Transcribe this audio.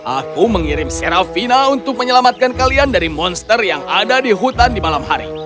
aku mengirim seravina untuk menyelamatkan kalian dari monster yang ada di hutan di malam hari